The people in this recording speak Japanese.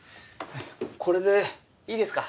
これでいいですか？